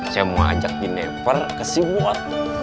saya mau ajak ginever ke siwot